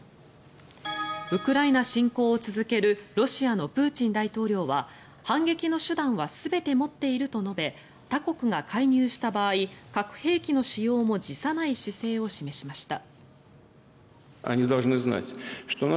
ウクライナ侵攻を続けるロシアのプーチン大統領は反撃の手段は全て持っていると述べ他国が介入した場合核兵器の使用も辞さない姿勢を示しました。